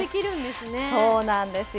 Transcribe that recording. そうなんですよ。